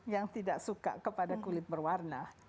yang tidak suka kepada kulit berwarna